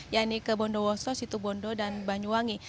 yaitu ke bondowoso situbondo dan banyuwangi